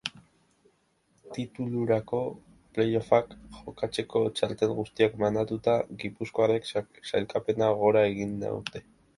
Titulurako playoffak jokatzeko txartel guztiak banatuta, gipuzkoarrek sailkapenean gora egin nahi dute.